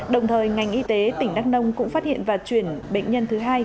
đồng thời ngành y tế tỉnh đắk nông cũng phát hiện và chuyển bệnh nhân thứ hai